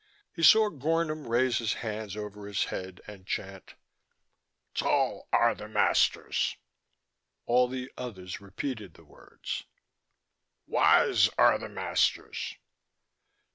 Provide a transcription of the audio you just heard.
He saw Gornom raise his hands over his head and chant: "Tall are the masters." All the others repeated the words. "Wise are the masters."